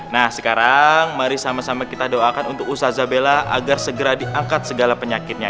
nah sekarang mari sama sama kita doakan untuk usazabela agar segera diangkat segala penyakitnya